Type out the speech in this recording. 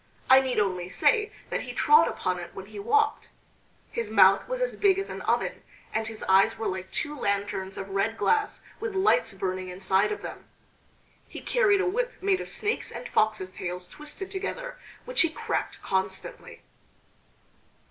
I need only say that he trod upon it when he walked. His mouth was as big as an oven, and his eyes were like two lanterns of red glass with lights burning inside of them. He carried a whip made of snakes and foxes' tails twisted together, which he cracked constantly.